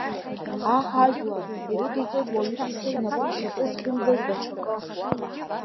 Аҳ ажәлар ирыдиҵеит уаҩытәыҩса инапи-ишьапи зхьымӡоз даҽакы.